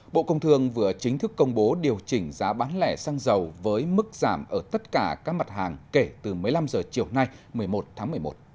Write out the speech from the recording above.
bộ công thương vừa chính thức công bố điều chỉnh giá bán lẻ xăng dầu với mức giảm ở tất cả các mặt hàng kể từ một mươi năm h chiều nay một mươi một tháng một mươi một